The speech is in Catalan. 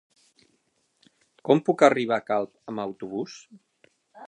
Com puc arribar a Calp amb autobús?